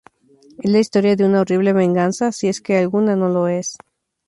Es la historia de una horrible venganza, si es que alguna no lo es.